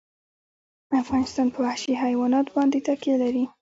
افغانستان په وحشي حیوانات باندې تکیه لري.